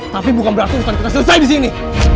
tapi bukan berarti ustad kita selesai disini